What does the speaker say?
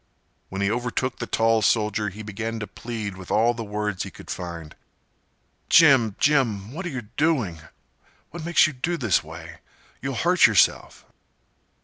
When he overtook the tall soldier he began to plead with all the words he could find. "Jim—Jim—what are you doing—what makes you do this way—you'll hurt yerself."